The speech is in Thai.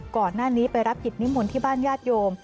ก่อนหน้านี้ไปรับกิจนิมนต์ที่บ้านญาติโยม